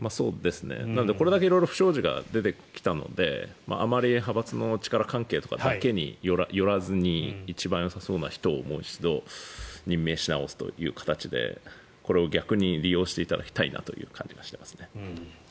なのでこれだけ色々不祥事が出てきたのであまり派閥の力関係とかだけに寄らずに一番よさそうな人をもう一度任命し直すという形でこれを逆に利用していただきたいなという感じがしていますね。